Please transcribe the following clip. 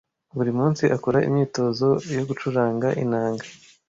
Buri munsi akora imyitozo yo gucuranga inanga.